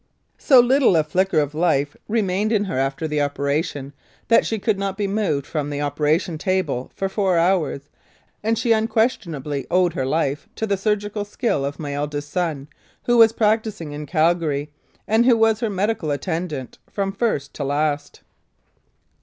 So little a flicker of life remained in her 112 1906 14. Calgary after the operation that she could not be moved from the operation table for four hours, and she unquestion ably owed her life to the surgical skill of my eldest son, who was practising in Calgary, and who was her medical attendant from first to last.